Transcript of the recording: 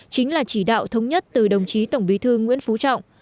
chính là chỉ đạo thống nhất từ đồng chí tổng bí thư nguyễn phú trọng